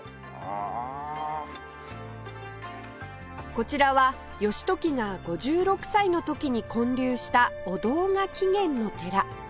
こちらは義時が５６歳の時に建立したお堂が起源の寺